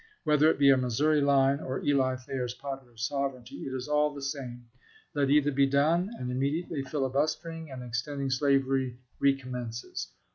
Whether it be a Missouri line or EH Thayer's popular sovereignty, it is all the same. Let either be done, and immediately filibustering and extending slavery recommences.